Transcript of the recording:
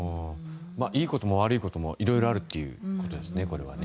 いいことも悪いことも色々あるということですね。